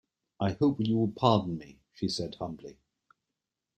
"I hope you will pardon me," she said humbly.